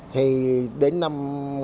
thì đến năm một nghìn chín trăm bảy mươi năm